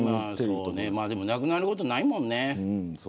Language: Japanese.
でもなくなることはないもんね。